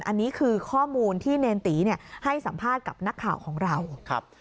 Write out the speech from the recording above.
อันนี้คือข้อมูลที่เนรตีเนี่ยให้สัมภาษณ์กับนักข่าวของเราครับ